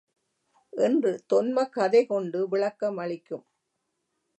என்று தொன்மக் கதை கொண்டு விளக்கமளிக்கும்.